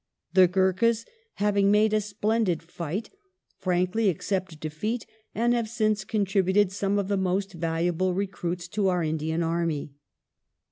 The Gurkhas, having made a splendid fight, frankly accepted defeat, and have since contributed some of the most valuable recruits to our Indian army.